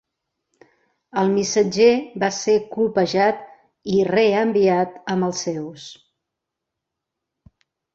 El missatger va ser colpejat i reenviat amb els seus.